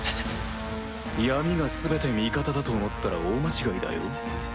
闇がすべて味方だと思ったら大間違いだよ